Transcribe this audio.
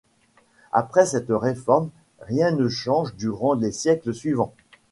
Après cette réforme, rien ne change durant les siècles suivants.